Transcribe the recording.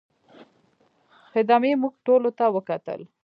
خدمې موږ ټولو ته وکتل.